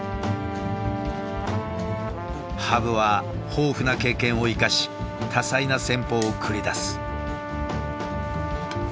羽生は豊富な経験を生かし多彩な戦法を繰り出す。